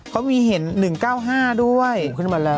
เขามีเห็น๑๙๕ด้วย